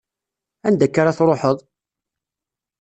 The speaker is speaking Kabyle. Anda akka ar ad tṛuḥeḍ?